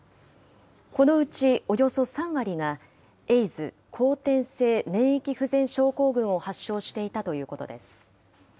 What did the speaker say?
このうちおよそ３割が、エイズ・後天性免疫不全症候群を発症していたということです。